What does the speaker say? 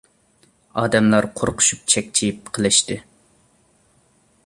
ئادەملەر قورقۇشۇپ چەكچىيىپ قېلىشتى.